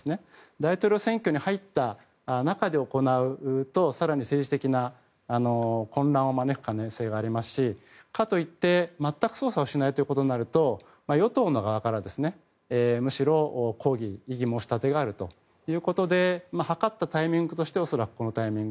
大統領選挙に入った中で行うと更に政治的な混乱を招く可能性がありますしかといって全く捜査をしないということになると与党の側からむしろ抗議、異議申し立てがあるということで図ったタイミングとして恐らくこのタイミング。